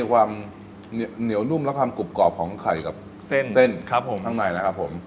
ความหอมไทยหน่อยนะครับ